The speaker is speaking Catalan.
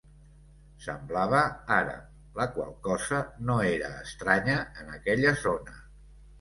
Semblava àrab, la qual cosa no era estranya en aquella zona.